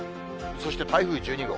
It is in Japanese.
そして台風１２号。